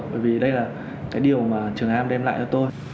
bởi vì đây là cái điều mà trường em đem lại cho tôi